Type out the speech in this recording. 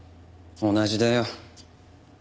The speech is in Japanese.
同じだよ。